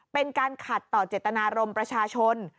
เป็นการขัดต่อเจตนารมณ์ประชาชน